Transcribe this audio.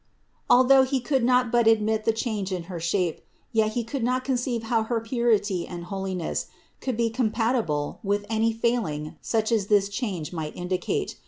Although he could not but admit the change in her shape, yet he could not conceive how her purity and holiness could be compatible with any failing such as this change might indicate.